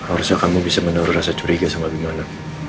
orang orang bisa menurut rasa curiga sama abimana